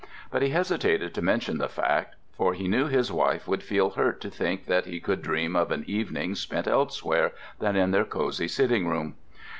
But he hesitated to mention the fact, for he knew his wife would feel hurt to think that he could dream of an evening spent elsewhere than in their cosy sitting room.